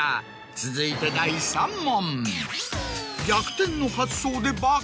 続いて第３問。